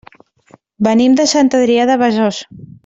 Venim de Sant Adrià de Besòs.